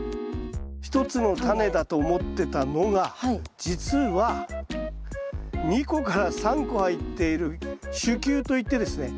１つのタネだと思ってたのが実は２個３個入っている種球といってですね